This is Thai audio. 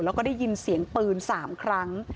แล้วก็ได้ยินเสียงปืน๓ครั้ง